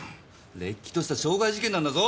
れっきとした傷害事件なんだぞ！